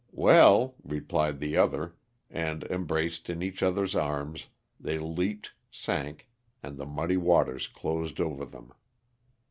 '"Well," replied the other, and, embraced in each other's arms, they leaped, sank, and the muddy waters closed over them.